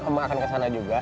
om akan kesana juga